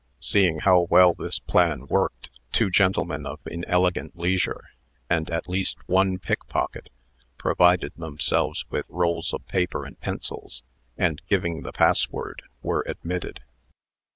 Seeing how well this plan worked, two gentlemen of inelegant leisure, and at least one pickpocket, provided themselves with rolls of paper and pencils, and, giving the password, were admitted.